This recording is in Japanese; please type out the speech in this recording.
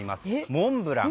モンブラン。